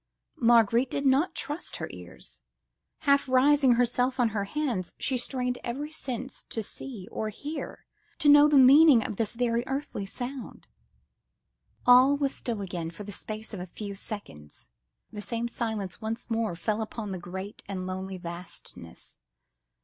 Marguerite did not trust her ears. Half raising herself on her hands, she strained every sense to see or hear, to know the meaning of this very earthly sound. All was still again for the space of a few seconds; the same silence once more fell upon the great and lonely vastness.